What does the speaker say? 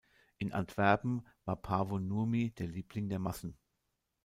In Antwerpen war Paavo Nurmi der Liebling der Massen.